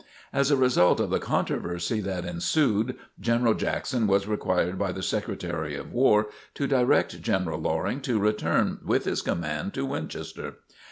As a result of the controversy that ensued, General Jackson was required by the Secretary of War to direct General Loring to return with his command to Winchester.